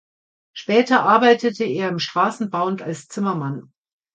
Später arbeitete er im Straßenbau und als Zimmermann.